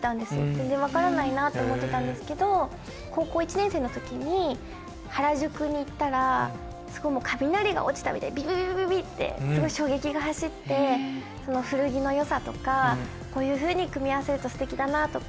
全然分からないなと思ってたんですけど高校１年生の時に原宿に行ったらすごいもう雷が落ちたみたいにビビビ！ってすごい衝撃が走って古着の良さとかこういうふうに組み合わせるとすてきだなとか。